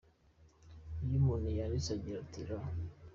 Uyu muntu yanditse agira ati: “R.